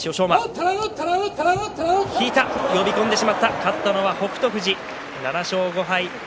勝ったのは北勝富士７勝５敗。